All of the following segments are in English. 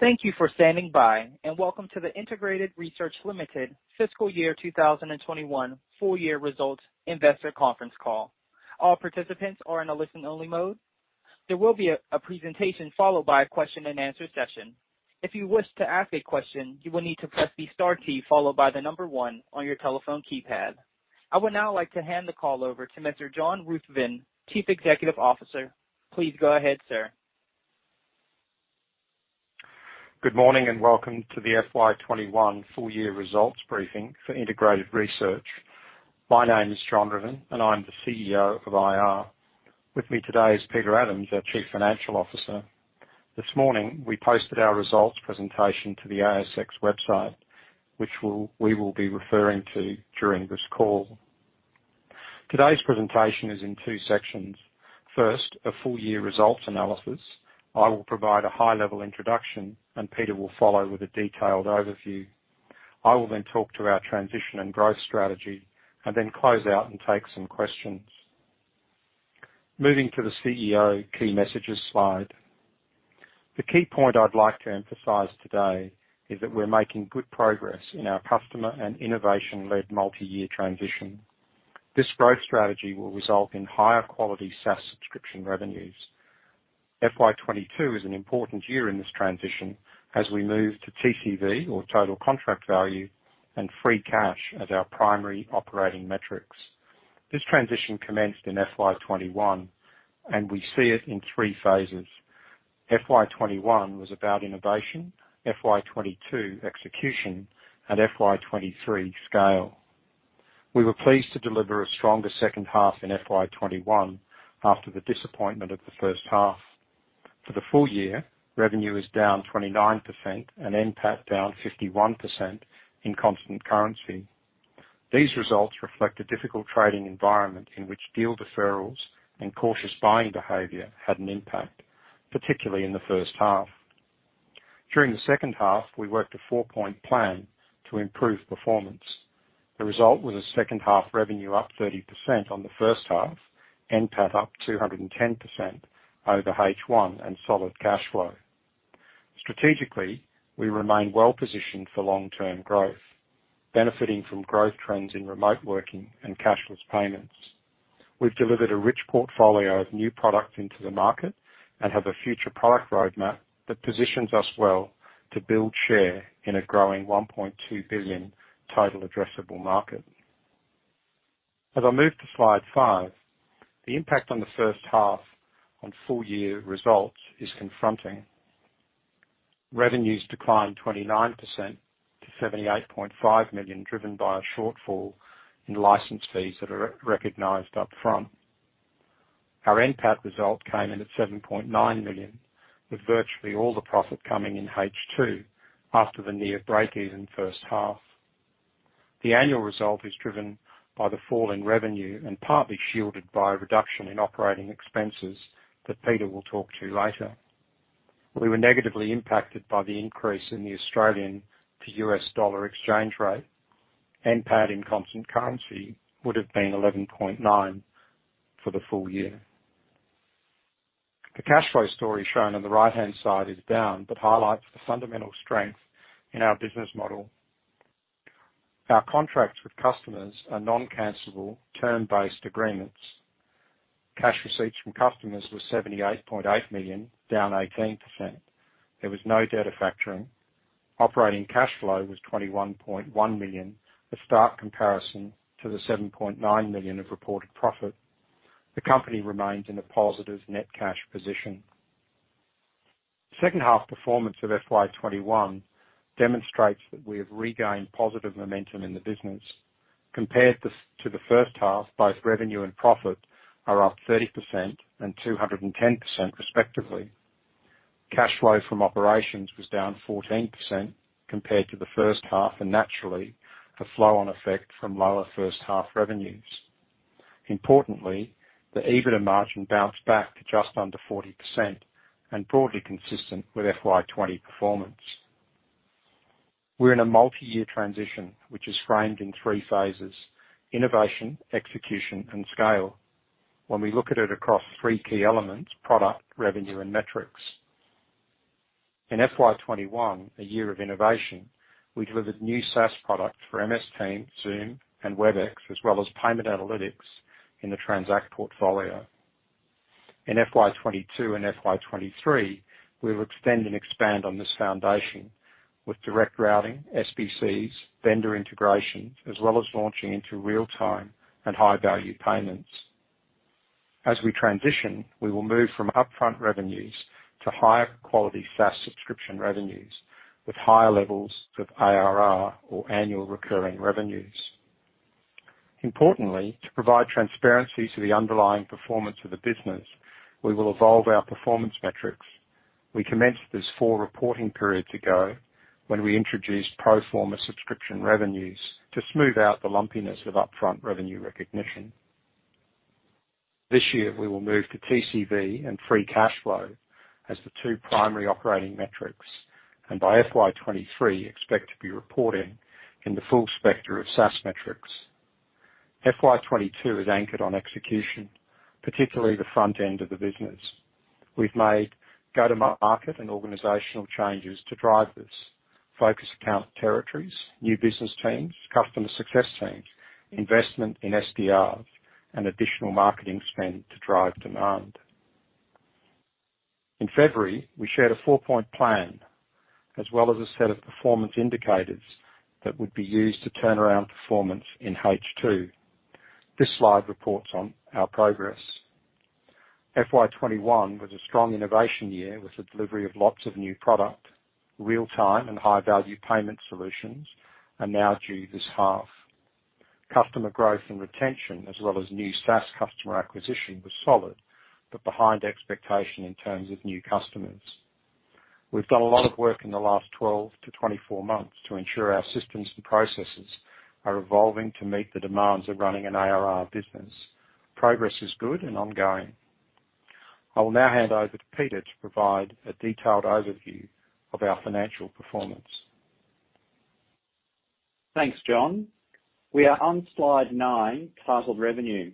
Thank you for standing by, and welcome to the Integrated Research Limited fiscal year 2021 full-year results investor conference call. All participants are in a listen-only mode. There will be a presentation followed by a question and answer session. If you wish to ask a question, you will need to press the star key followed by one on your telephone keypad. I would now like to hand the call over to Mr. John Ruthven, Chief Executive Officer. Please go ahead, sir. Good morning. Welcome to the FY 2021 full-year results briefing for Integrated Research. My name is John Ruthven, and I'm the CEO of IR. With me today is Peter Adams, our Chief Financial Officer. This morning, we posted our results presentation to the ASX website, which we will be referring to during this call. Today's presentation is in two sections. First, a full-year results analysis. I will provide a high-level introduction, and Peter will follow with a detailed overview. I will then talk to our transition and growth strategy and then close out and take some questions. Moving to the CEO key messages slide. The key point I'd like to emphasize today is that we're making good progress in our customer and innovation-led multi-year transition. This growth strategy will result in higher quality SaaS subscription revenues. FY 2022 is an important year in this transition as we move to TCV, or total contract value, and free cash as our primary operating metrics. This transition commenced in FY 2021, and we see it in three phases. FY 2021 was about innovation, FY 2022 execution, and FY 2023 scale. We were pleased to deliver a stronger second half in FY 2021 after the disappointment of the first half. For the full year, revenue is down 29% and NPAT down 51% in constant currency. These results reflect a difficult trading environment in which deal deferrals and cautious buying behavior had an impact, particularly in the first half. During the second half, we worked a four-point plan to improve performance. The result was a second-half revenue up 30% on the first half, NPAT up 210% over H1, and solid cash flow. Strategically, we remain well-positioned for long-term growth, benefiting from growth trends in remote working and cashless payments. We've delivered a rich portfolio of new products into the market and have a future product roadmap that positions us well to build share in a growing 1.2 billion total addressable market. As I move to slide five, the impact on the first half on full-year results is confronting. Revenues declined 29% to 78.5 million, driven by a shortfall in license fees that are recognized upfront. Our NPAT result came in at 7.9 million, with virtually all the profit coming in H2 after the near breakeven first half. The annual result is driven by the fall in revenue and partly shielded by a reduction in operating expenses that Peter will talk to later. We were negatively impacted by the increase in the Australian to US dollar exchange rate. NPAT in constant currency would have been 11.9 for the full year. The cash flow story shown on the right-hand side is down, but highlights the fundamental strength in our business model. Our contracts with customers are non-cancelable, term-based agreements. Cash receipts from customers was 78.8 million, down 18%. There was no data factoring. Operating cash flow was 21.1 million, a stark comparison to the 7.9 million of reported profit. The company remains in a positive net cash position. Second half performance of FY 2021 demonstrates that we have regained positive momentum in the business. Compared to the first half, both revenue and profit are up 30% and 210% respectively. Cash flow from operations was down 14% compared to the first half, and naturally, a flow on effect from lower first-half revenues. Importantly, the EBITDA margin bounced back to just under 40% and broadly consistent with FY 2020 performance. We're in a multi-year transition which is framed in three phases. Innovation, execution, and scale. When we look at it across three key elements, product, revenue, and metrics. In FY 2021, a year of innovation, we delivered new SaaS products for MS Teams, Zoom, and Webex, as well as payment analytics in the Transact portfolio. In FY 2022 and FY 2023, we will extend and expand on this foundation with direct routing, SBCs, vendor integrations, as well as launching into real-time and high-value payments. As we transition, we will move from upfront revenues to higher quality SaaS subscription revenues with higher levels of ARR or annual recurring revenues. Importantly, to provide transparency to the underlying performance of the business, we will evolve our performance metrics. We commenced this four reporting period ago when we introduced pro forma subscription revenues to smooth out the lumpiness of upfront revenue recognition. This year, we will move to TCV and free cash flow as the two primary operating metrics, and by FY 2023, expect to be reporting in the full spectrum of SaaS metrics. FY 2022 is anchored on execution, particularly the front end of the business. We've made go-to-market and organizational changes to drive this. Focus account territories, new business teams, customer success teams, investment in SDRs, and additional marketing spend to drive demand. In February, we shared a four-point plan, as well as a set of performance indicators that would be used to turn around performance in H2. This slide reports on our progress. FY 2021 was a strong innovation year with the delivery of lots of new product. Real-time and high-value payment solutions are now due this half. Customer growth and retention, as well as new SaaS customer acquisition, was solid, but behind expectation in terms of new customers. We've done a lot of work in the last 12 to 24 months to ensure our systems and processes are evolving to meet the demands of running an ARR business. Progress is good and ongoing. I will now hand over to Peter to provide a detailed overview of our financial performance. Thanks, John. We are on slide nine, titled Revenue.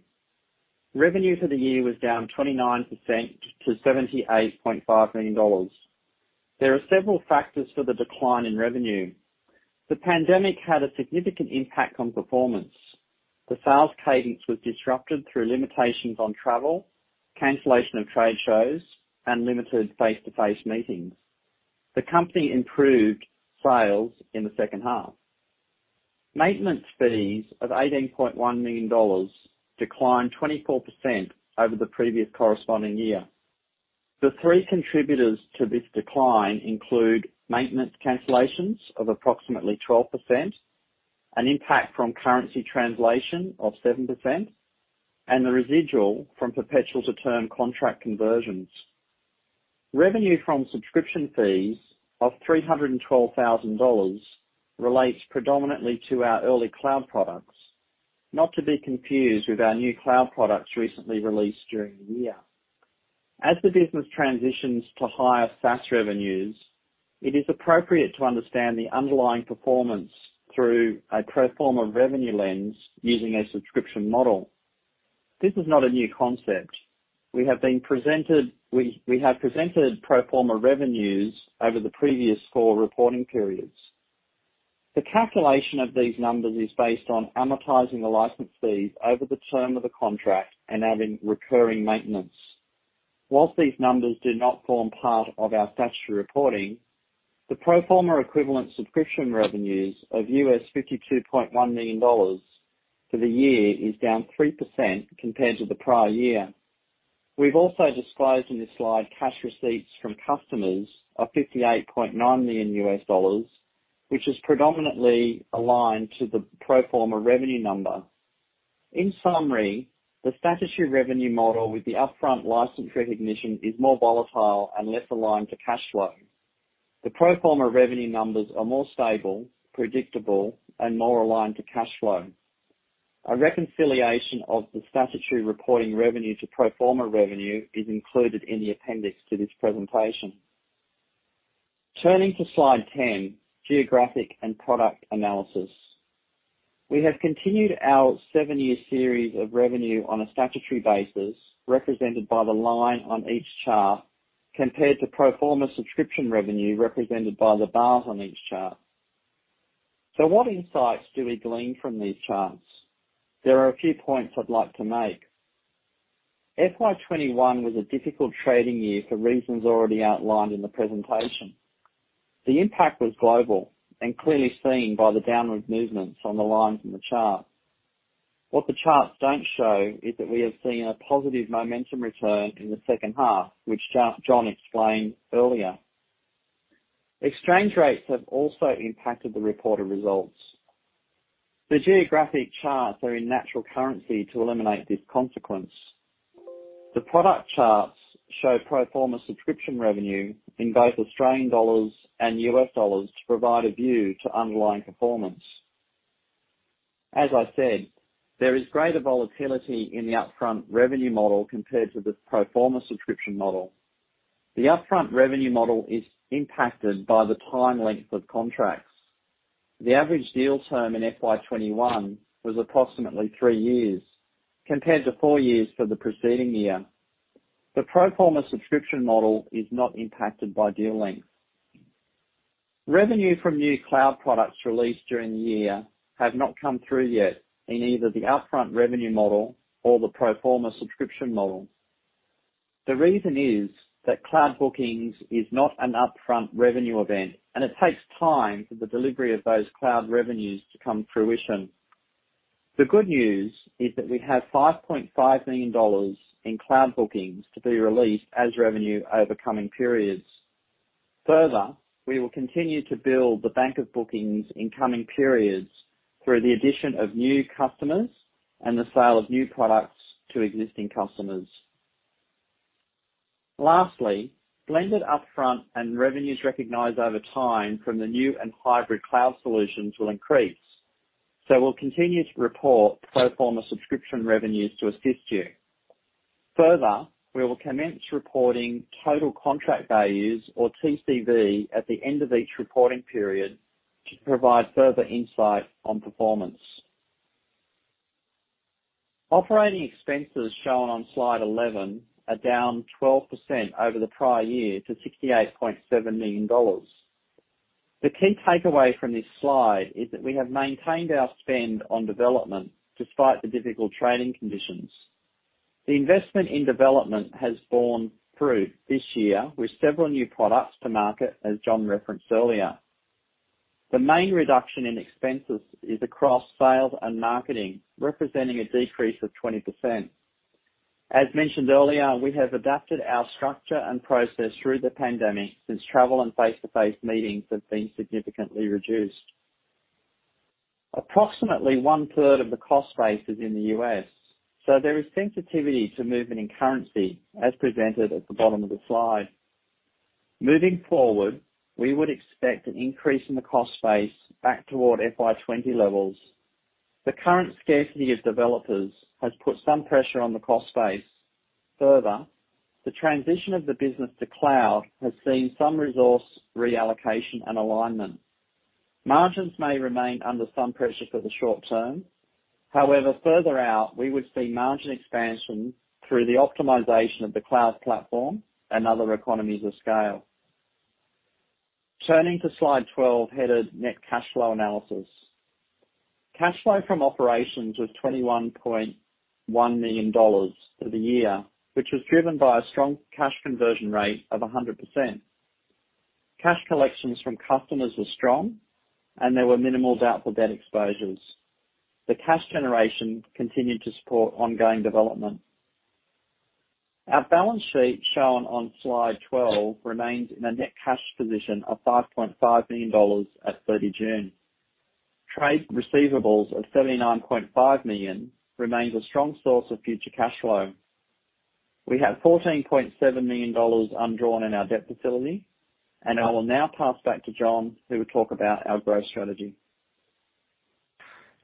Revenue for the year was down 29% to 78.5 million dollars. There are several factors for the decline in revenue. The pandemic had a significant impact on performance. The sales cadence was disrupted through limitations on travel, cancellation of trade shows, and limited face-to-face meetings. The company improved sales in the second half. Maintenance fees of 18.1 million dollars declined 24% over the previous corresponding year. The three contributors to this decline include maintenance cancellations of approximately 12%, an impact from currency translation of 7%, and the residual from perpetual-to-term contract conversions. Revenue from subscription fees of 312,000 dollars relates predominantly to our early cloud products, not to be confused with our new cloud products recently released during the year. As the business transitions to higher SaaS revenues, it is appropriate to understand the underlying performance through a pro forma revenue lens using a subscription model. This is not a new concept. We have presented pro forma revenues over the previous four reporting periods. The calculation of these numbers is based on amortizing the license fees over the term of the contract and adding recurring maintenance. Whilst these numbers do not form part of our statutory reporting, the pro forma equivalent subscription revenues of US$52.1 million for the year is down 3% compared to the prior year. We've also disclosed in this slide cash receipts from customers of $58.9 million, which is predominantly aligned to the pro forma revenue number. In summary, the statutory revenue model with the upfront license recognition is more volatile and less aligned to cash flow. The pro forma revenue numbers are more stable, predictable, and more aligned to cash flow. A reconciliation of the statutory reporting revenue to pro forma revenue is included in the appendix to this presentation. Turning to slide 10, Geographic and Product Analysis. We have continued our seven-year series of revenue on a statutory basis, represented by the line on each chart, compared to pro forma subscription revenue, represented by the bars on each chart. What insights do we glean from these charts? There are a few points I'd like to make. FY 2021 was a difficult trading year for reasons already outlined in the presentation. The impact was global and clearly seen by the downward movements on the lines in the chart. What the charts don't show is that we have seen a positive momentum return in the second half, which John explained earlier. Exchange rates have also impacted the reported results. The geographic charts are in natural currency to eliminate this consequence. The product charts show pro forma subscription revenue in both Australian dollars and US dollars to provide a view to underlying performance. As I said, there is greater volatility in the upfront revenue model compared to the pro forma subscription model. The upfront revenue model is impacted by the time length of contracts. The average deal term in FY 2021 was approximately three years, compared to four years for the preceding year. The pro forma subscription model is not impacted by deal length. Revenue from new cloud products released during the year have not come through yet in either the upfront revenue model or the pro forma subscription model. The reason is that cloud bookings is not an upfront revenue event, and it takes time for the delivery of those cloud revenues to come to fruition. The good news is that we have 5.5 million dollars in cloud bookings to be released as revenue over coming periods. Further, we will continue to build the bank of bookings in coming periods through the addition of new customers and the sale of new products to existing customers. Lastly, blended upfront and revenues recognized over time from the new and hybrid cloud solutions will increase. We'll continue to report pro forma subscription revenues to assist you. Further, we will commence reporting total contract values or TCV at the end of each reporting period to provide further insight on performance. Operating expenses shown on slide 11 are down 12% over the prior year to AUD 68.7 million. The key takeaway from this slide is that we have maintained our spend on development despite the difficult trading conditions. The investment in development has borne fruit this year with several new products to market, as John referenced earlier. The main reduction in expenses is across sales and marketing, representing a decrease of 20%. As mentioned earlier, we have adapted our structure and process through the pandemic, since travel and face-to-face meetings have been significantly reduced. Approximately 1/3 of the cost base is in the U.S., so there is sensitivity to movement in currency as presented at the bottom of the slide. Moving forward, we would expect an increase in the cost base back toward FY 2020 levels. The current scarcity of developers has put some pressure on the cost base. Further, the transition of the business to cloud has seen some resource reallocation and alignment. Margins may remain under some pressure for the short term. However, further out, we would see margin expansion through the optimization of the cloud platform and other economies of scale. Turning to slide 12, headed net cash flow analysis. Cash flow from operations was 21.1 million dollars for the year, which was driven by a strong cash conversion rate of 100%. Cash collections from customers were strong, and there were minimal doubtful debt exposures. The cash generation continued to support ongoing development. Our balance sheet shown on slide 12 remains in a net cash position of 5.5 million dollars at 30 June. Trade receivables of 79.5 million remains a strong source of future cash flow. We have 14.7 million dollars undrawn in our debt facility, and I will now pass back to John who will talk about our growth strategy.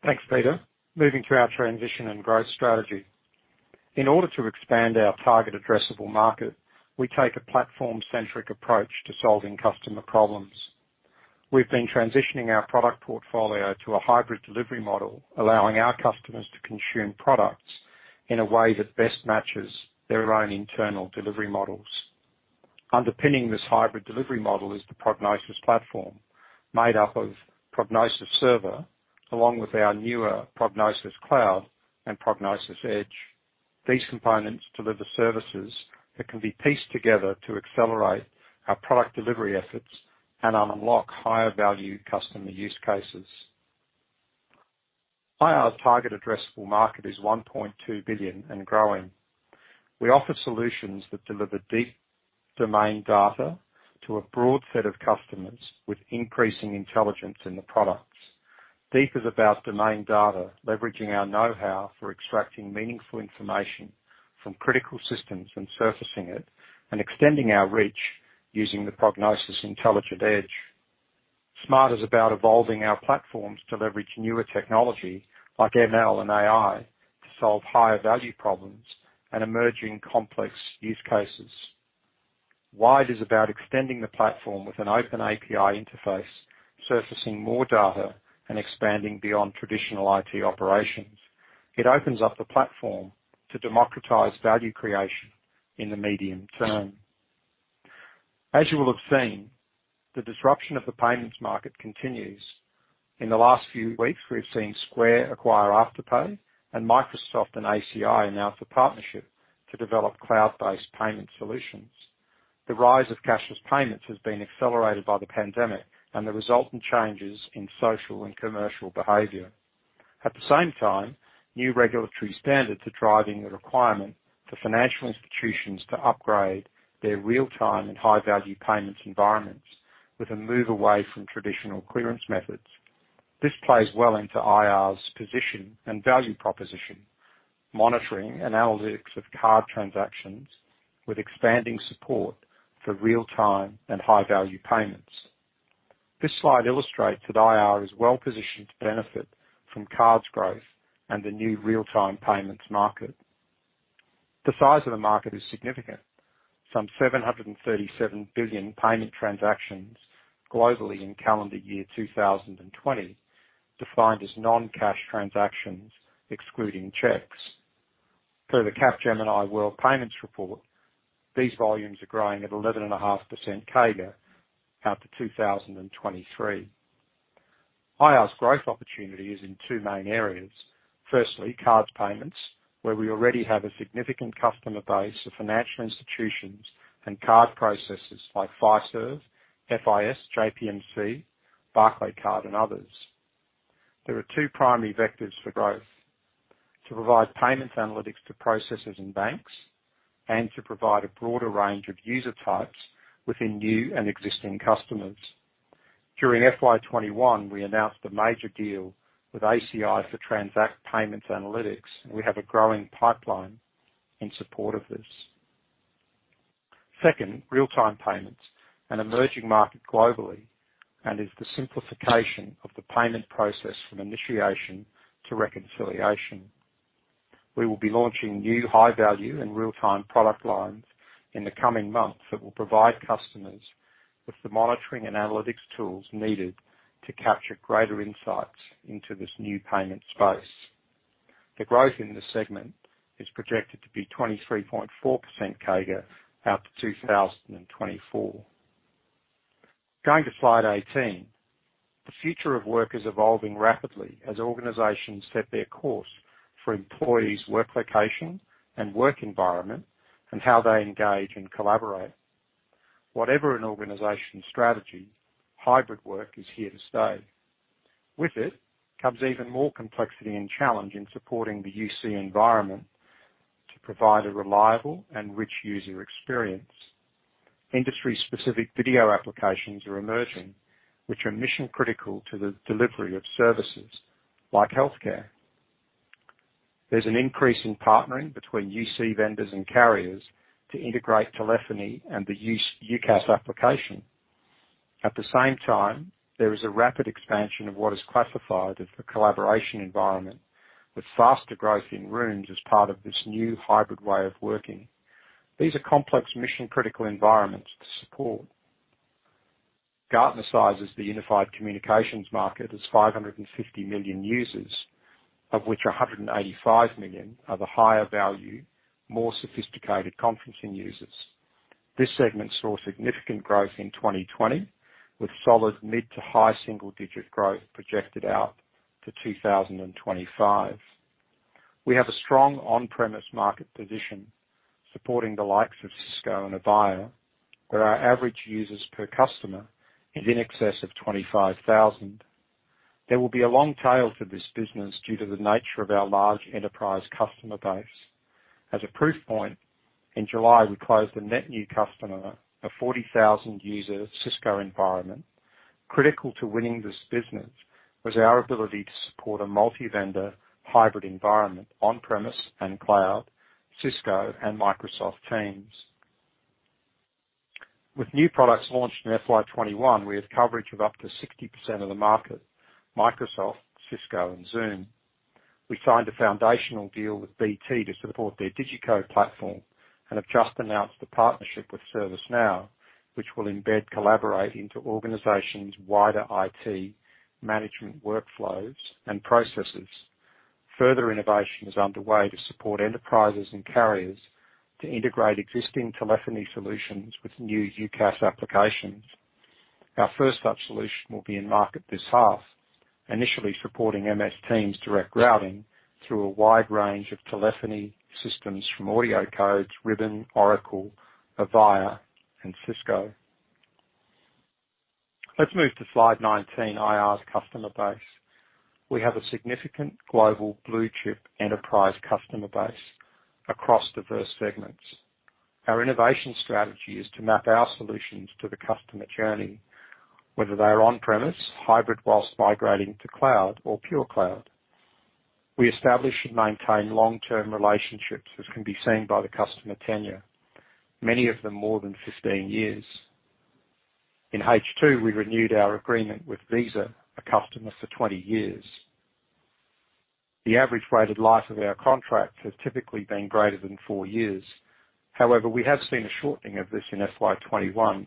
Thanks, Peter. Moving to our transition and growth strategy. In order to expand our target addressable market, we take a platform-centric approach to solving customer problems. We've been transitioning our product portfolio to a hybrid delivery model, allowing our customers to consume products in a way that best matches their own internal delivery models. Underpinning this hybrid delivery model is the Prognosis platform, made up of Prognosis Server, along with our newer Prognosis Cloud and Prognosis Edge. These components deliver services that can be pieced together to accelerate our product delivery efforts and unlock higher value customer use cases. IR's target addressable market is 1.2 billion and growing. We offer solutions that deliver deep domain data to a broad set of customers with increasing intelligence in the products. Deep is about domain data, leveraging our know-how for extracting meaningful information from critical systems and surfacing it, extending our reach using the Prognosis Intelligent Edge. Smart is about evolving our platforms to leverage newer technology, like ML and AI to solve higher value problems and emerging complex use cases. Wide is about extending the platform with an open API interface, surfacing more data, expanding beyond traditional IT operations. It opens up the platform to democratize value creation in the medium term. As you will have seen, the disruption of the payments market continues. In the last few weeks, we've seen Square acquire Afterpay and Microsoft and ACI announce a partnership to develop cloud-based payment solutions. The rise of cashless payments has been accelerated by the pandemic and the resultant changes in social and commercial behavior. At the same time, new regulatory standards are driving the requirement for financial institutions to upgrade their real-time and high-value payments environments with a move away from traditional clearance methods. This plays well into IR's position and value proposition. Monitoring analytics of card transactions with expanding support for real-time and high-value payments. This slide illustrates that IR is well positioned to benefit from cards growth and the new real-time payments market. The size of the market is significant. Some 737 billion payment transactions globally in calendar year 2020, defined as non-cash transactions, excluding checks. Per the Capgemini World Payments Report, these volumes are growing at 11.5% CAGR out to 2023. IR's growth opportunity is in two main areas. Firstly, card payments, where we already have a significant customer base of financial institutions and card processors like Fiserv, FIS, JPMC, Barclaycard, and others. There are two primary vectors for growth: to provide payments analytics to processors and banks, and to provide a broader range of user types within new and existing customers. During FY 2021, we announced a major deal with ACI for transact payments analytics, and we have a growing pipeline in support of this. Second, real-time payments, an emerging market globally, and is the simplification of the payment process from initiation to reconciliation. We will be launching new high-value and real-time product lines in the coming months that will provide customers with the monitoring and analytics tools needed to capture greater insights into this new payment space. The growth in this segment is projected to be 23.4% CAGR out to 2024. Going to slide 18. The future of work is evolving rapidly as organizations set their course for employees' work location and work environment and how they engage and collaborate. Whatever an organization's strategy, hybrid work is here to stay. With it comes even more complexity and challenge in supporting the UC environment to provide a reliable and rich user experience. Industry-specific video applications are emerging, which are mission-critical to the delivery of services like healthcare. There's an increase in partnering between UC vendors and carriers to integrate telephony and the UCaaS application. At the same time, there is a rapid expansion of what is classified as the collaboration environment, with faster growth in rooms as part of this new hybrid way of working. These are complex, mission-critical environments to support. Gartner sizes the unified communications market as 550 million users, of which 185 million are the higher value, more sophisticated conferencing users. This segment saw significant growth in 2020, with solid mid to high single-digit growth projected out to 2025. We have a strong on-premise market position supporting the likes of Cisco and Avaya, where our average users per customer is in excess of 25,000. There will be a long tail to this business due to the nature of our large enterprise customer base. As a proof point, in July, we closed a net new customer of 40,000 user Cisco environment. Critical to winning this business was our ability to support a multi-vendor hybrid environment on-premise and cloud, Cisco and Microsoft Teams. With new products launched in FY 2021, we have coverage of up to 60% of the market, Microsoft, Cisco and Zoom. We signed a foundational deal with BT to support their DigiCo platform and have just announced a partnership with ServiceNow, which will embed Collaborate into organizations' wider IT management workflows and processes. Further innovation is underway to support enterprises and carriers to integrate existing telephony solutions with new UCaaS applications. Our first such solution will be in market this half, initially supporting MS Teams direct routing through a wide range of telephony systems from AudioCodes, Ribbon, Oracle, Avaya, and Cisco. Let's move to slide 19, IR's customer base. We have a significant global blue-chip enterprise customer base across diverse segments. Our innovation strategy is to map our solutions to the customer journey, whether they are on-premise, hybrid whilst migrating to cloud or pure cloud. We establish and maintain long-term relationships, as can be seen by the customer tenure, many of them more than 15 years. In H2, we renewed our agreement with Visa, a customer for 20 years. The average weighted life of our contracts has typically been greater than four years. However, we have seen a shortening of this in FY 2021,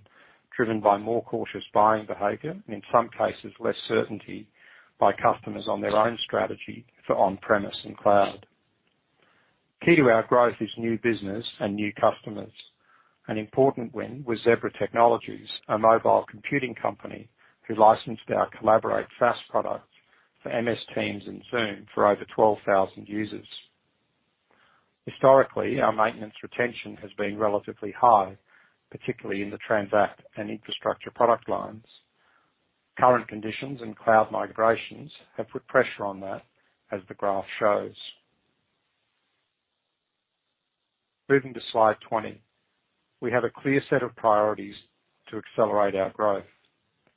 driven by more cautious buying behavior and in some cases, less certainty by customers on their own strategy for on-premise and cloud. Key to our growth is new business and new customers. An important win was Zebra Technologies, a mobile computing company who licensed our Collaborate SaaS products for MS Teams and Zoom for over 12,000 users. Historically, our maintenance retention has been relatively high, particularly in the transact and Infrastructure product lines. Current conditions and cloud migrations have put pressure on that, as the graph shows. Moving to slide 20. We have a clear set of priorities to accelerate our growth.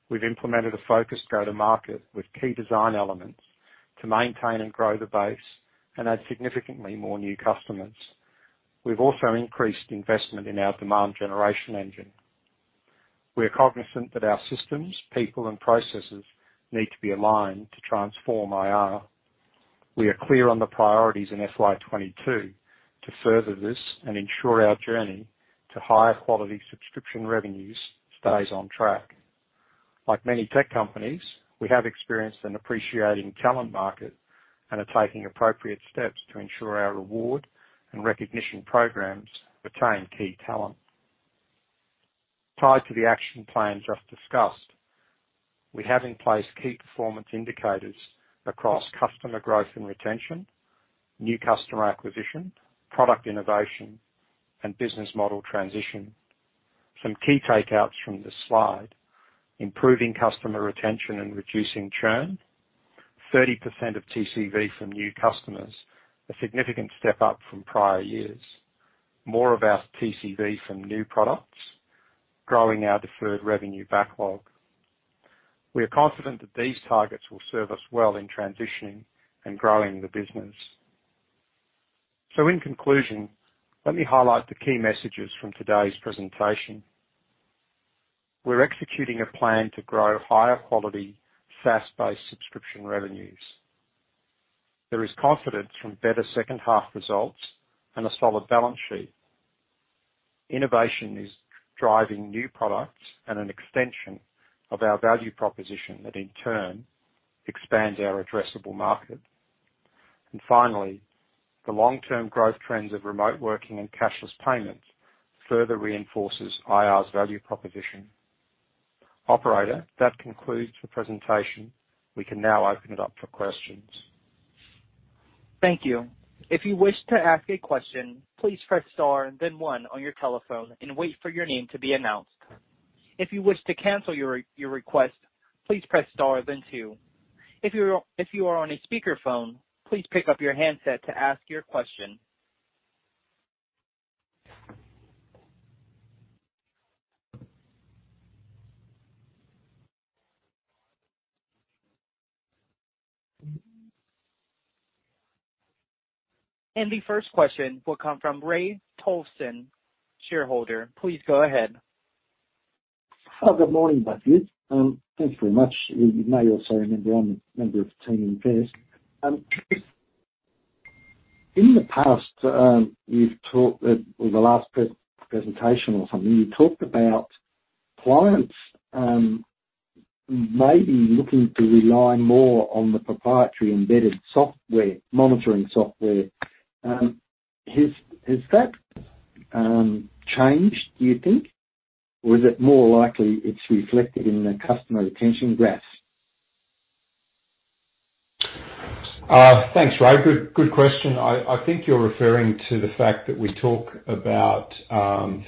We've implemented a focused go-to-market with key design elements to maintain and grow the base and add significantly more new customers. We've also increased investment in our demand generation engine. We are cognizant that our systems, people and processes need to be aligned to transform IR. We are clear on the priorities in FY 2022 to further this and ensure our journey to higher quality subscription revenues stays on track. Like many tech companies, we have experienced an appreciating talent market and are taking appropriate steps to ensure our reward and recognition programs retain key talent. Tied to the action plan just discussed, we have in place key performance indicators across customer growth and retention, new customer acquisition, product innovation, and business model transition. Some key takeouts from this slide. Improving customer retention and reducing churn. 30% of TCV from new customers, a significant step up from prior years. More of our TCV from new products. Growing our deferred revenue backlog. We are confident that these targets will serve us well in transitioning and growing the business. In conclusion, let me highlight the key messages from today's presentation. We're executing a plan to grow higher quality, SaaS-based subscription revenues. There is confidence from better second half results and a solid balance sheet. Innovation is driving new products and an extension of our value proposition that in turn expands our addressable market. Finally, the long-term growth trends of remote working and cashless payments further reinforces IR's value proposition. Operator, that concludes the presentation. We can now open it up for questions. Thank you. If you wish to ask a question, please press star then one on your telephone and wait for your name to be announced. If you wish to cancel your request, please press star then two. If you are on a speakerphone, please pick up your handset to ask your question. The first question will come from Ray Tolson, shareholder. Please go ahead. Good morning, both of you. Thanks very much. You may also remember, I'm a member of the Teaminvest. In the past, or the last presentation or something, you talked about clients maybe looking to rely more on the proprietary embedded software, monitoring software. Has that changed, do you think? Is it more likely it's reflected in the customer retention graphs? Thanks, Ray. Good question. I think you're referring to the fact that we talk about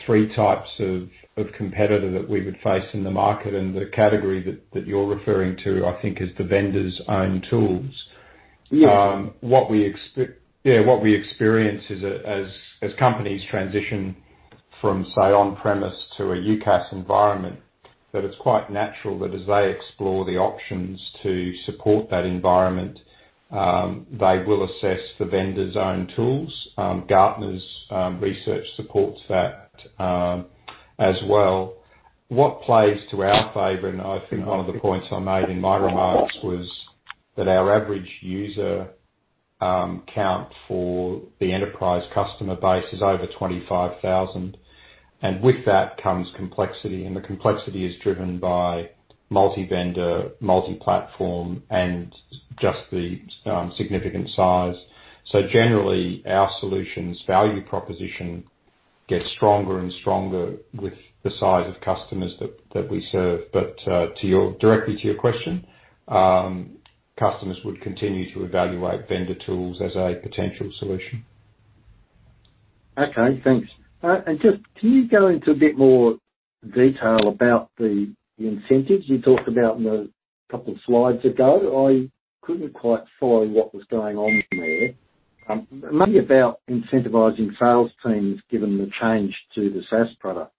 three types of competitor that we would face in the market. The category that you're referring to, I think, is the vendor's own tools. Yeah. What we experience is, as companies transition from, say, on-premise to a UCaaS environment, that it's quite natural that as they explore the options to support that environment, they will assess the vendor's own tools. Gartner's research supports that as well. What plays to our favor, and I think one of the points I made in my remarks was that our average user count for the enterprise customer base is over 25,000. With that comes complexity, and the complexity is driven by multi-vendor, multi-platform, and just the significant size. Generally, our solutions value proposition gets stronger and stronger with the size of customers that we serve. Directly to your question, customers would continue to evaluate vendor tools as a potential solution. Okay. Thanks. Just can you go into a bit more detail about the incentives you talked about a couple of slides ago? I couldn't quite follow what was going on there. Mainly about incentivizing sales teams given the change to the SaaS product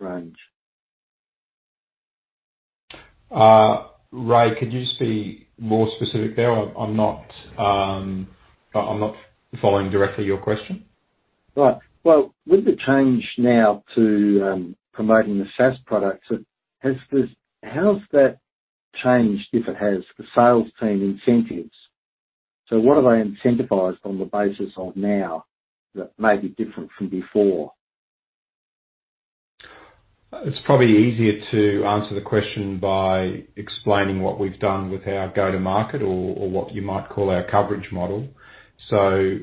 range. Ray, could you just be more specific there? I'm not following directly your question. Right. Well, with the change now to promoting the SaaS products, how has that changed, if it has, the sales team incentives? What are they incentivized on the basis of now that may be different from before? It's probably easier to answer the question by explaining what we've done with our go-to market or what you might call our coverage model.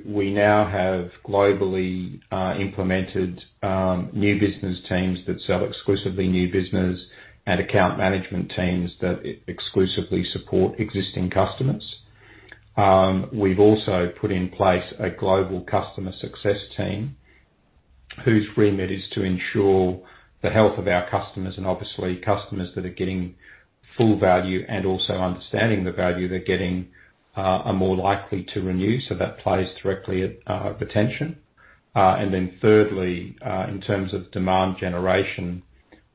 We now have globally implemented new business teams that sell exclusively new business and account management teams that exclusively support existing customers. We've also put in place a global customer success team whose remit is to ensure the health of our customers. Obviously, customers that are getting full value and also understanding the value they're getting are more likely to renew. That plays directly at retention. Thirdly, in terms of demand generation,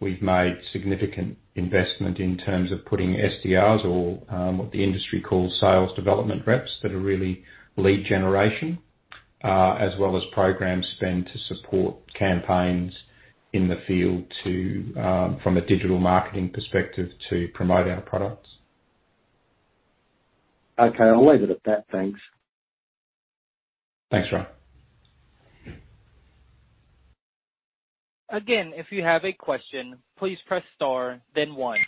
we've made significant investment in terms of putting SDRs or what the industry calls sales development reps that are really lead generation, as well as program spend to support campaigns in the field from a digital marketing perspective to promote our products. Okay. I'll leave it at that. Thanks. Thanks, Ray. Again, if you have a question, please press star then one.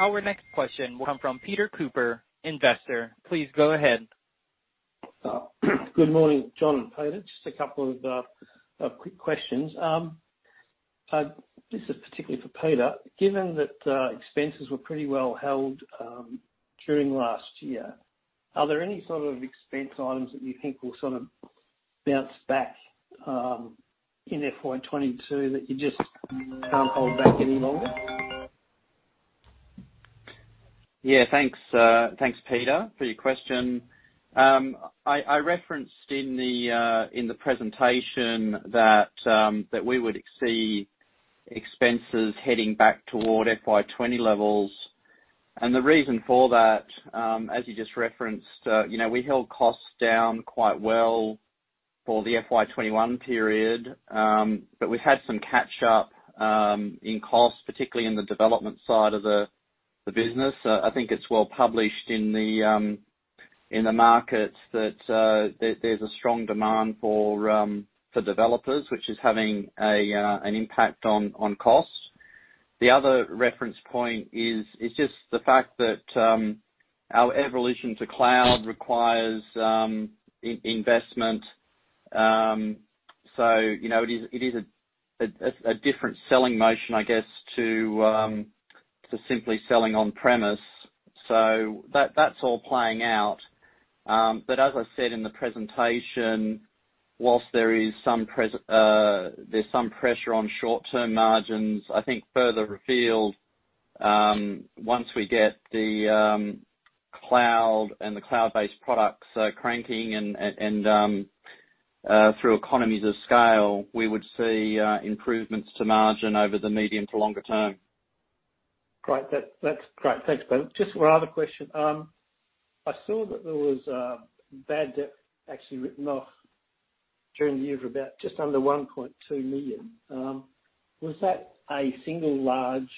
Our next question will come from Peter Cooper, investor. Please go ahead. Good morning, John and Peter. Just a couple of quick questions. This is particularly for Peter. Given that expenses were pretty well held during last year, are there any sort of expense items that you think will sort of bounce back in FY 2022 that you just can't hold back any longer? Yeah. Thanks, Peter, for your question. I referenced in the presentation that we would see expenses heading back toward FY 2020 levels. The reason for that, as you just referenced, we held costs down quite well for the FY 2021 period. We've had some catch up in costs, particularly in the development side of the business. It's well published in the market that there's a strong demand for developers, which is having an impact on costs. The other reference point is just the fact that our evolution to cloud requires investment. It is a different selling motion, to simply selling on-premise. That's all playing out. As I said in the presentation, whilst there's some pressure on short-term margins, I think further afield, once we get the cloud and the cloud-based products cranking and through economies of scale, we would see improvements to margin over the medium to longer term. Great. That's great. Thanks, Peter. Just one other question. I saw that there was bad debt actually written off during the year of about just under 1.2 million. Was that a single large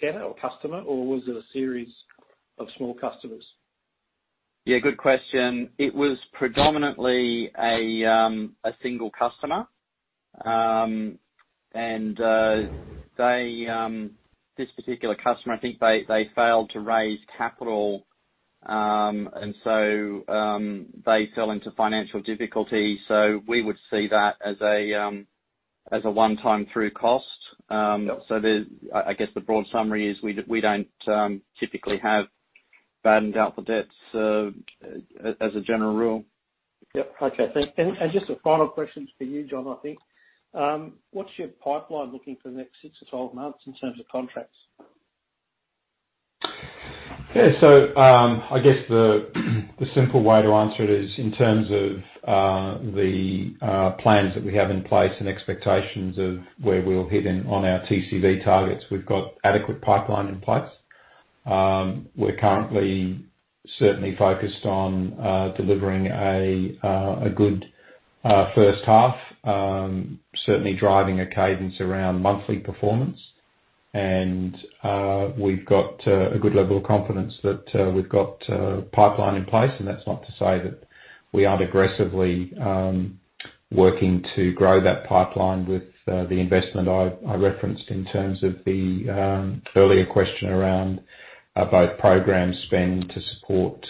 debtor or customer, or was it a series of small customers? Yeah, good question. It was predominantly a single customer. This particular customer, I think they failed to raise capital, and so they fell into financial difficulty. We would see that as a one-time through cost. Yep. The broad summary is we don't typically have bad and doubtful debts as a general rule. Yep. Okay, thanks. Just a final question for you, John, I think. What's your pipeline looking for the next six to 12 months in terms of contracts? I guess the simple way to answer it is, in terms of the plans that we have in place and expectations of where we'll hit in on our TCV targets, we've got adequate pipeline in place. We're currently certainly focused on delivering a good first half. Certainly driving a cadence around monthly performance. We've got a good level of confidence that we've got pipeline in place, and that's not to say that we aren't aggressively working to grow that pipeline with the investment I referenced in terms of the earlier question around both programs spend to support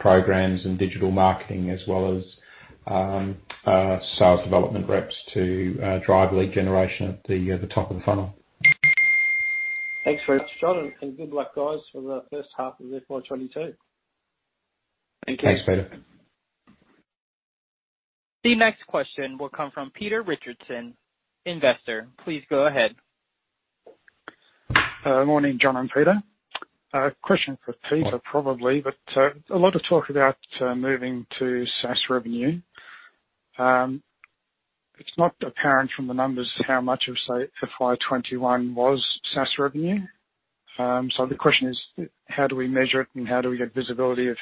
programs and digital marketing, as well as sales development reps to drive lead generation at the top of the funnel. Thanks very much, John, and good luck, guys, for the first half of FY 2022. Thank you. Thanks, Peter. The next question will come from Peter Richardson, investor. Please go ahead. Morning, John and Peter. A question for Peter, probably. A lot of talk about moving to SaaS revenue. It's not apparent from the numbers how much of, say, FY 2021 was SaaS revenue. The question is, how do we measure it, and how do we get visibility of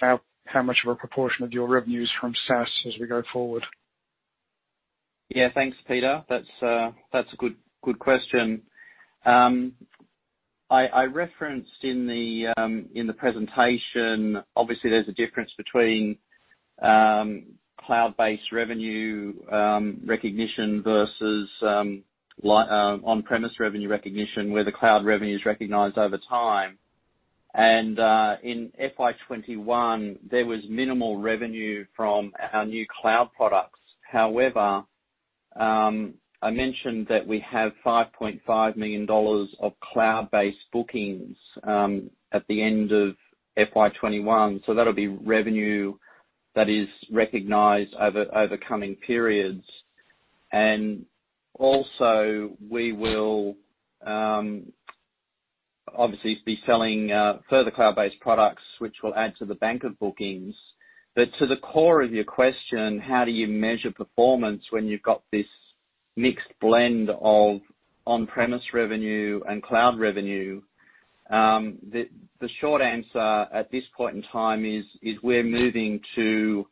how much of a proportion of your revenue is from SaaS as we go forward? Thanks, Peter. That's a good question. I referenced in the presentation, obviously, there's a difference between cloud-based revenue recognition versus on-premise revenue recognition, where the cloud revenue is recognized over time. In FY 2021, there was minimal revenue from our new cloud products. However, I mentioned that we have 5.5 million dollars of cloud-based bookings at the end of FY 2021. That'll be revenue that is recognized over coming periods. Also, we will obviously be selling further cloud-based products, which will add to the bank of bookings. To the core of your question, how do you measure performance when you've got this mixed blend of on-premise revenue and cloud revenue? The short answer at this point in time is we're moving to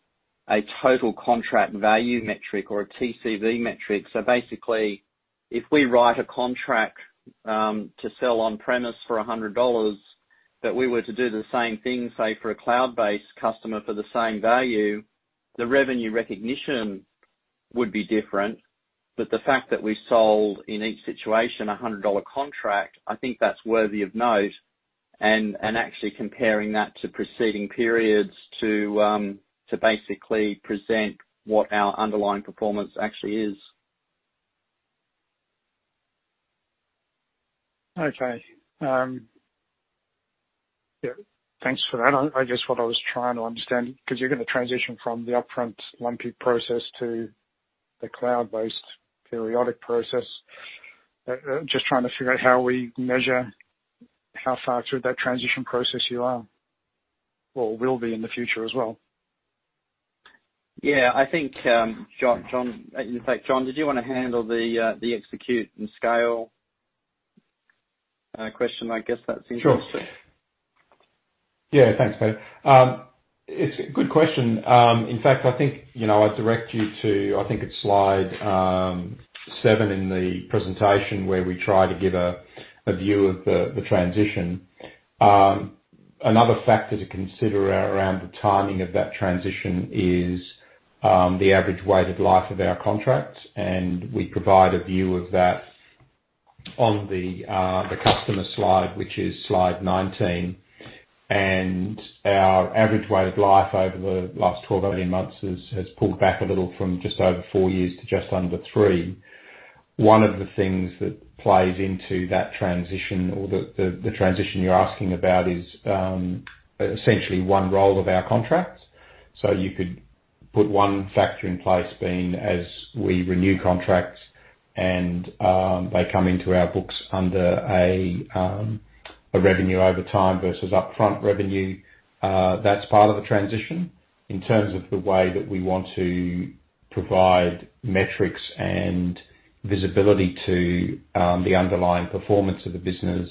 a total contract value metric or a TCV metric. Basically, if we write a contract to sell on-premise for 100 dollars, that we were to do the same thing, say, for a cloud-based customer for the same value, the revenue recognition would be different. The fact that we sold in each situation a 100 dollar contract, I think that's worthy of note. Actually comparing that to preceding periods to basically present what our underlying performance actually is. Okay. Yeah, thanks for that. I just what I was trying to understand, because you're going to transition from the upfront lumpy process to the cloud-based periodic process. Just trying to figure out how we measure how far through that transition process you are or will be in the future as well. Yeah. John, did you want to handle the execute and scale question? I guess that's interesting. Sure. Thanks, Peter. It's a good question. In fact, I'd direct you to slide seven in the presentation where we try to give a view of the transition. Another factor to consider around the timing of that transition is the average weighted life of our contracts. We provide a view of that on the customer slide, which is slide 19. Our average weighted life over the last 12, 18 months has pulled back a little from just over four years to just under three. One of the things that plays into that transition or the transition you're asking about is essentially one roll of our contracts. You could put one` factor in place being as we renew contracts and they come into our books under a revenue over time versus upfront revenue. That's part of the transition. In terms of the way that we want to provide metrics and visibility to the underlying performance of the business,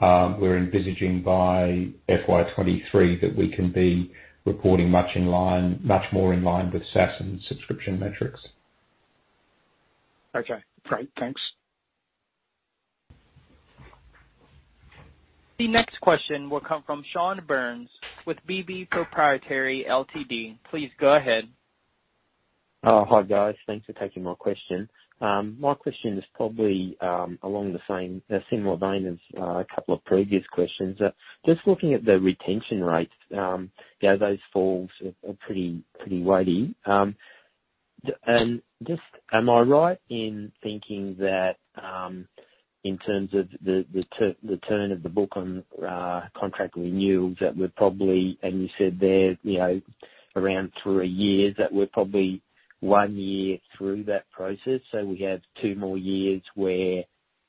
we're envisaging by FY 2023 that we can be reporting much more in line with SaaS and subscription metrics. Okay. Great. Thanks. The next question will come from Sean Burns with BB Proprietary Ltd. Please go ahead. Hi, guys. Thanks for taking my question. My question is probably along the same, a similar vein as a couple of previous questions. Just looking at the retention rates, those falls are pretty weighty. Am I right in thinking that, in terms of the turn of the book on contract renewals, that we're probably, and you said there around three years, that we're probably one year through that process, so we have two more years where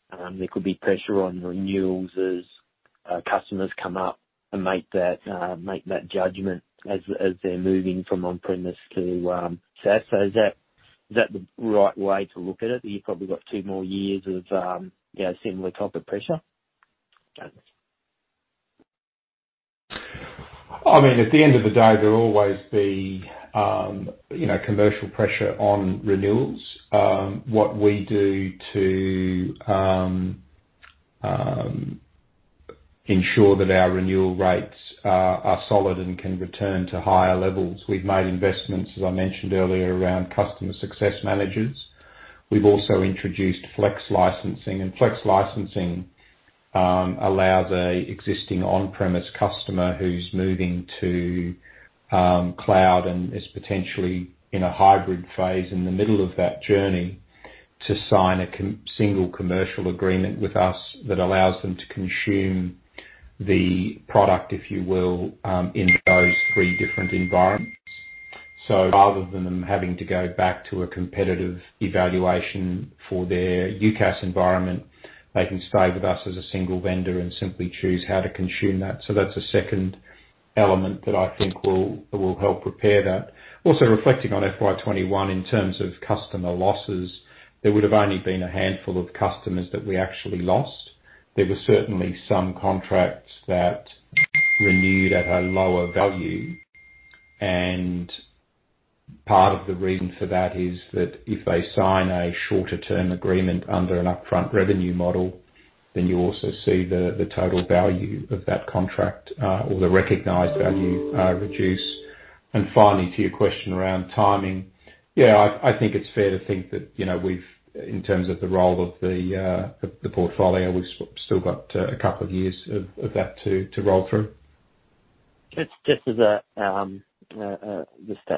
there could be pressure on renewals as customers come up and make that judgment as they're moving from on-premise to SaaS? Is that the right way to look at it? That you've probably got two more years of similar type of pressure? Thanks. At the end of the day, there'll always be commercial pressure on renewals. What we do to ensure that our renewal rates are solid and can return to higher levels, we've made investments, as I mentioned earlier, around customer success managers. We've also introduced flex licensing. Flex licensing allows a existing on-premise customer who's moving to cloud and is potentially in a hybrid phase in the middle of that journey to sign a single commercial agreement with us that allows them to consume the product, if you will, in those three different environments. Rather than them having to go back to a competitive evaluation for their UCaaS environment, they can stay with us as a single vendor and simply choose how to consume that. That's a second element that I think will help prepare that. Also reflecting on FY 2021 in terms of customer losses, there would've only been a handful of customers that we actually lost. There were certainly some contracts that renewed at a lower value, and part of the reason for that is that if they sign a shorter term agreement under an upfront revenue model, then you also see the total value of that contract or the recognized value reduce. Finally, to your question around timing. Yeah, I think it's fair to think that in terms of the roll of the portfolio, we've still got a couple of years of that to roll through. Just to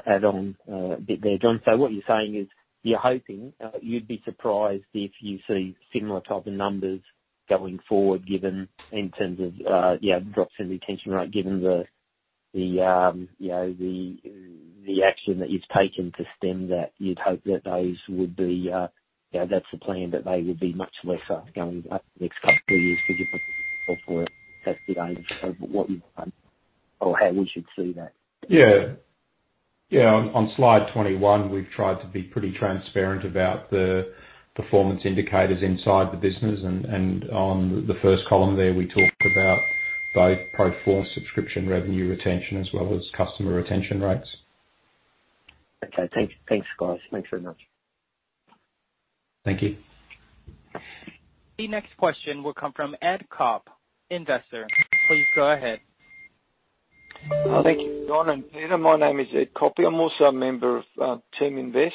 add on a bit there, John. What you're saying is you're hoping, you'd be surprised if you see similar type of numbers going forward, given in terms of drop in retention rate, given the action that you've taken to stem that, you'd hope that those would be, that's the plan, that they would be much lesser going up the next couple of years because you've for it. That's the aim of what you've done or how we should see that. On slide 21, we've tried to be pretty transparent about the performance indicators inside the business. On the first column there, we talked about both pro forma subscription revenue retention as well as customer retention rates. Okay. Thanks, guys. Thanks very much. Thank you. The next question will come from Ed Kopp, investor. Please go ahead. Thank you, John and Peter. My name is Ed Kopp. I'm also a member of Teaminvest.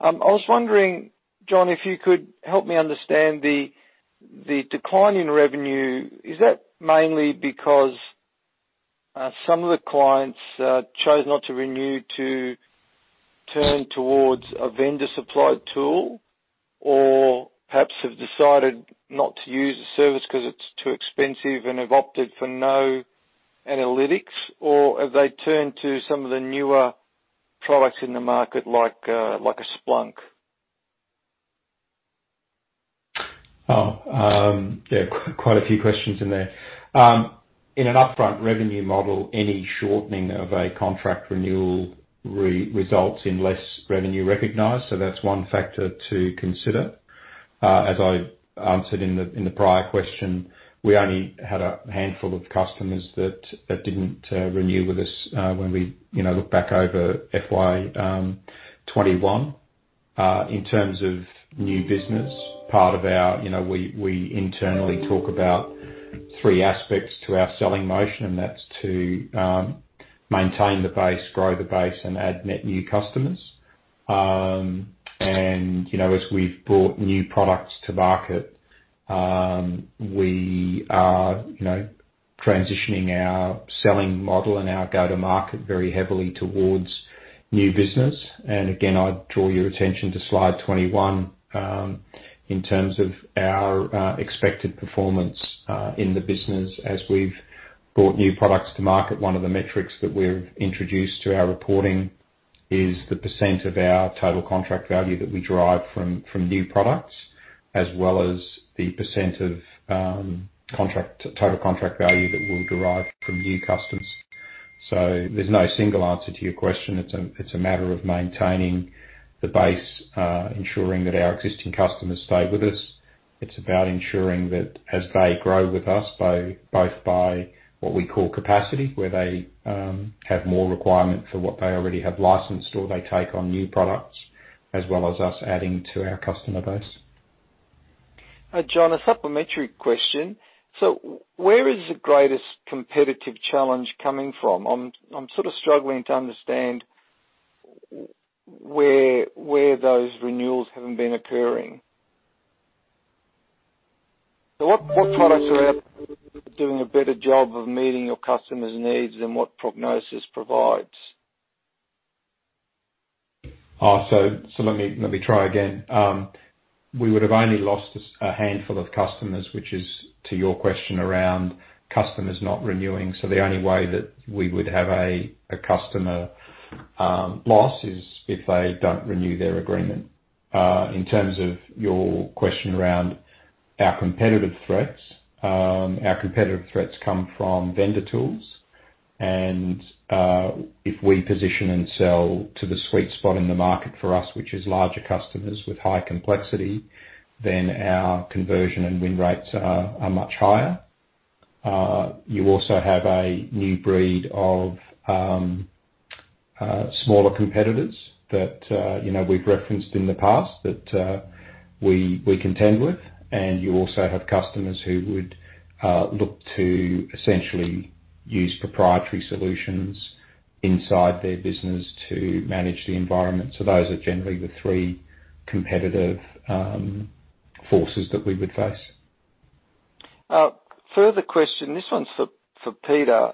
I was wondering, John, if you could help me understand the decline in revenue, is that mainly because some of the clients chose not to renew to turn towards a vendor supplied tool? Or perhaps have decided not to use the service because it's too expensive and have opted for no analytics? Or have they turned to some of the newer products in the market like a Splunk? There are quite a few questions in there. In an upfront revenue model, any shortening of a contract renewal results in less revenue recognized. That's one factor to consider. As I answered in the prior question, we only had a handful of customers that didn't renew with us when we look back over FY 2021. In terms of new business, we internally talk about three aspects to our selling motion, and that's to maintain the base, grow the base, and add net new customers. As we've brought new products to market, we are transitioning our selling model and our go-to market very heavily towards new business. Again, I'd draw your attention to slide 21 in terms of our expected performance in the business as we've brought new products to market. One of the metrics that we've introduced to our reporting is the percent of our total contract value that we derive from new products, as well as the percent of total contract value that we'll derive from new customers. There's no single answer to your question. It's a matter of maintaining the base, ensuring that our existing customers stay with us. It's about ensuring that as they grow with us, both by what we call capacity, where they have more requirement for what they already have licensed, or they take on new products, as well as us adding to our customer base. John, a supplementary question. Where is the greatest competitive challenge coming from? I'm sort of struggling to understand where those renewals haven't been occurring. What products are out doing a better job of meeting your customers' needs than what Prognosis provides? Let me try again. We would have only lost a handful of customers, which is to your question around customers not renewing. The only way that we would have a customer loss is if they don't renew their agreement. In terms of your question around our competitive threats, our competitive threats come from vendor tools, and if we position and sell to the sweet spot in the market for us, which is larger customers with high complexity, then our conversion and win rates are much higher. You also have a new breed of smaller competitors that we've referenced in the past that we contend with. You also have customers who would look to essentially use proprietary solutions inside their business to manage the environment. Those are generally the three competitive forces that we would face. Further question. This one's for Peter.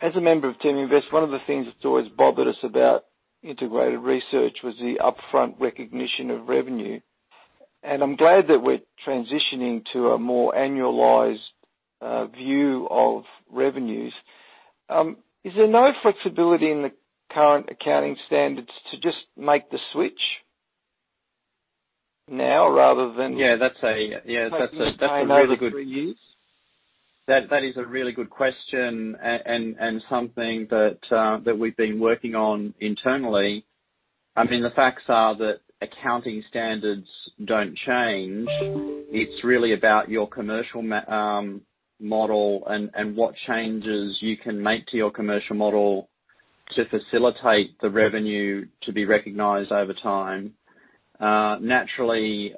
As a member of Teaminvest, one of the things that's always bothered us about Integrated Research was the upfront recognition of revenue. I'm glad that we're transitioning to a more annualized view of revenues. Is there no flexibility in the current accounting standards to just make the switch now rather than? Yeah, that's a really good- maybe three years? That is a really good question and something that we've been working on internally. The facts are that accounting standards don't change. It's really about your commercial model and what changes you can make to your commercial model to facilitate the revenue to be recognized over time. Naturally,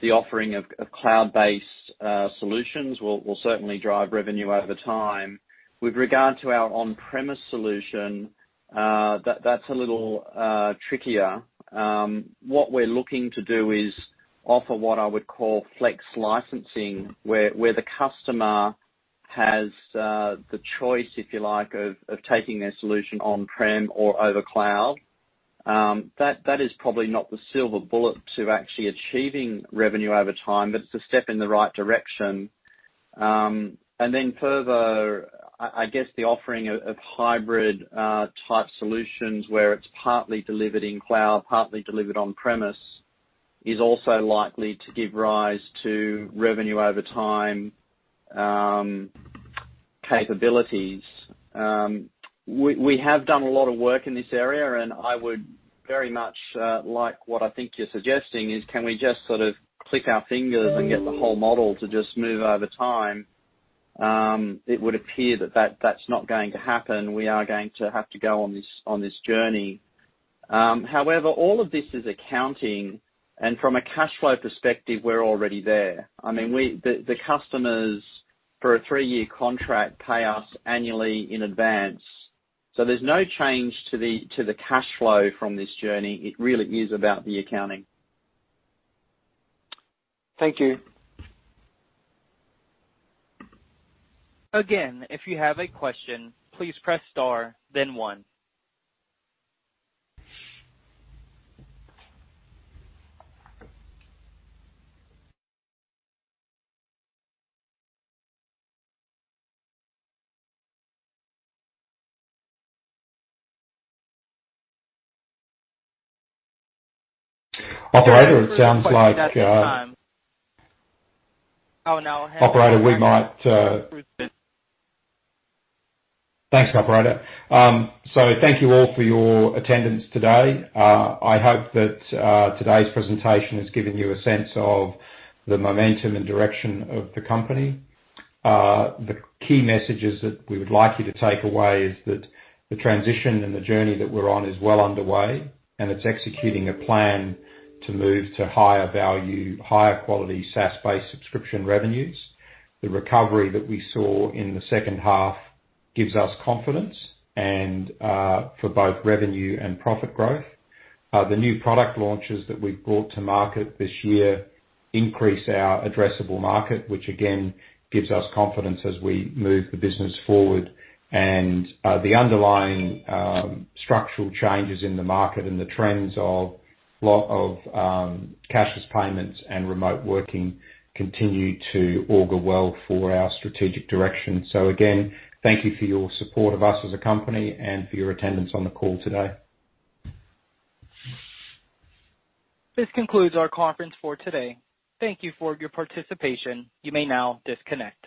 the offering of cloud-based solutions will certainly drive revenue over time. With regard to our on-premise solution, that's a little trickier. What we're looking to do is offer what I would call flex licensing, where the customer has the choice, if you like, of taking their solution on-prem or over cloud. That is probably not the silver bullet to actually achieving revenue over time, but it's a step in the right direction. Further, I guess the offering of hybrid-type solutions where it's partly delivered in cloud, partly delivered on-premise, is also likely to give rise to revenue over time capabilities. We have done a lot of work in this area, and I would very much like what I think you're suggesting is can we just sort of click our fingers and get the whole model to just move over time? It would appear that that's not going to happen. We are going to have to go on this journey. However, all of this is accounting, and from a cash flow perspective, we're already there. I mean, the customers for a three-year contract pay us annually in advance. There's no change to the cash flow from this journey. It really is about the accounting. Thank you. If you have a question, please press star then one. Operator, No. Thanks, operator. Thank you all for your attendance today. I hope that today's presentation has given you a sense of the momentum and direction of the company. The key messages that we would like you to take away is that the transition and the journey that we're on is well underway, and it's executing a plan to move to higher value, higher quality SaaS-based subscription revenues. The recovery that we saw in the second half gives us confidence and for both revenue and profit growth. The new product launches that we've brought to market this year increase our addressable market, which again, gives us confidence as we move the business forward. The underlying structural changes in the market and the trends of cashless payments and remote working continue to augur well for our strategic direction. Again, thank you for your support of us as a company and for your attendance on the call today. This concludes our conference for today. Thank you for your participation. You may now disconnect.